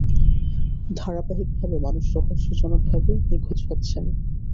ধারাবাহিকভাবে মানুষ রহস্যজনকভাবে নিখোঁজ হচ্ছেন।